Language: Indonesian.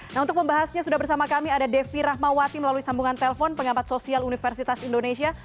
nah untuk membahasnya sudah bersama kami ada devi rahmawati melalui sambungan telpon pengamat sosial universitas indonesia